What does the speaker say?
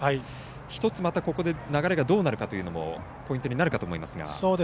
一つ、またここで流れがどうなるかというのもポイントになるかと思いますが。